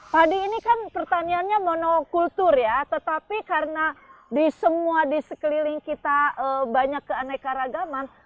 padi ini kan pertaniannya monokultur ya tetapi karena di semua di sekeliling kita banyak keanekaragaman